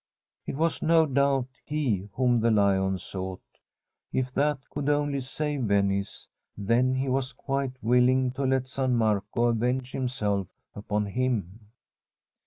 It was no doubt he whom the lion sought. If that could only save Venice, then he was quite willing to let San Marco avenge himself upon him.